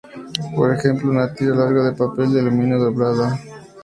Por ejemplo una tira larga de papel de aluminio doblada al medio.